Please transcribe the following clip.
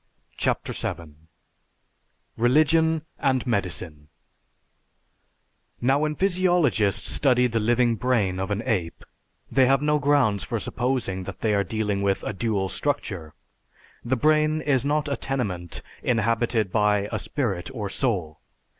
CHAPTER VII RELIGION AND MEDICINE _Now, when physiologists study the living brain of an ape, they have no grounds for supposing that they are dealing with a dual structure. The brain is not a tenement inhabited by a spirit or soul.